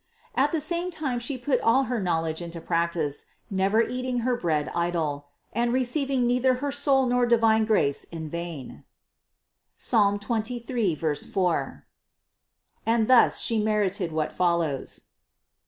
At the same time She put all her knowledge into practice, never eating her bread idle, and receiving neither her soul nor divine grace in vain (Psalm 23, 4). And thus She merited what follows.